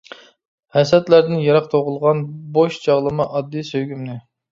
ھەسەتلەردىن يىراق تۇغۇلغان، بوش چاغلىما ئاددىي سۆيگۈمنى.